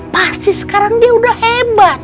pasti sekarang dia udah hebat